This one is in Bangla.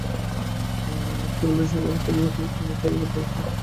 বংশাবলিক্রমে কেবল পূর্ববর্তীদিগের উপর দাগা বুলাইয়া চলা।